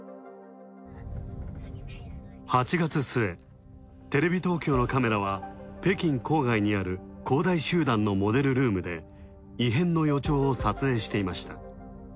８月末、テレビ東京のカメラは北京郊外にある恒大集団のモデルルームで異変の予兆を撮影していました。